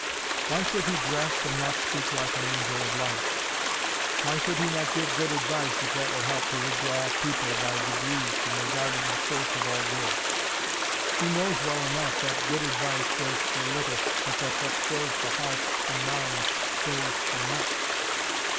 Why should he dress and not speak like an angel of light? Why should he not give good advice if that will help to withdraw people by degrees from regarding the source of all good? He knows well enough that good advice goes for little, but that what fills the heart and mind goes for much.